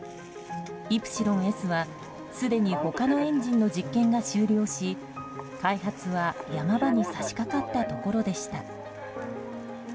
イプシロンＳは、すでに他のエンジンの実験が終了し開発は山場に差し掛かったところでした。